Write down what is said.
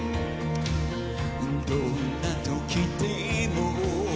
「どんな時でも」